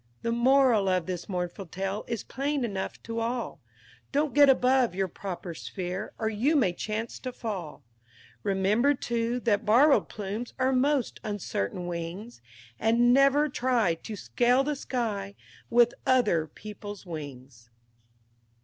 L'ENVOI The moral of this mournful tale is plain enough to all: Don't get above your proper sphere, or you may chance to fall; Remember, too, that borrowed plumes are most uncertain things; And never try to scale the sky with other people's wings!